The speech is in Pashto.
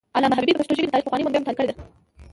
علامه حبیبي د پښتو ژبې د تاریخ پخواني منابع مطالعه کړي دي.